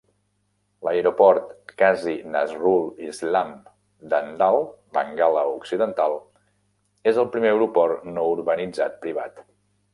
L'Aeroport Kazi Nazrul Islam d'Andal, Bengala Occidental, és el primer aeroport no urbanitzat privat.